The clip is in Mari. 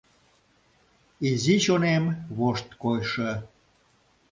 Изи чонем вошт койшо...